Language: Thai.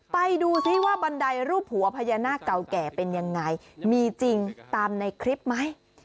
ไปดูซิว่าบันไดรูปหัวพญานาคเก่าแก่เป็นยังไงมีจริงตามในคลิปไหม